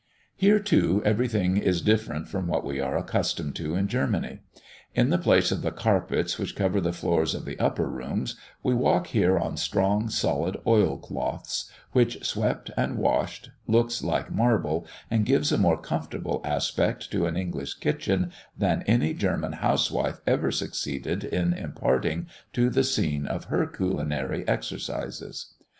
Here, too, everything is different from what we are accustomed to in Germany. In the place of the carpets which cover the floors of the upper rooms, we walk here on strong, solid oilcloths, which, swept and washed, looks like marble, and gives a more comfortable aspect to an English kitchen than any German housewife ever succeeded in imparting to the scene of her culinary exercises.